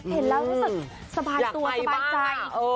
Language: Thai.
เห็นแล้วสบายตัวสบายใจ